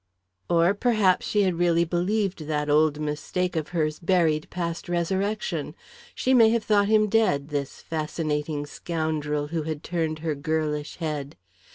Or perhaps she had really believed that old mistake of hers buried past resurrection. She may have thought him dead, this fascinating scoundrel who had turned her girlish head.